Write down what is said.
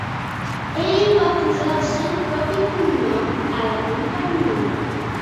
Ell va posar el seu propi cognom a la companyia.